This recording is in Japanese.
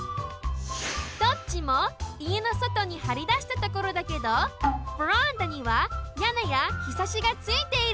どっちもいえのそとにはりだしたところだけどベランダにはやねやひさしがついている。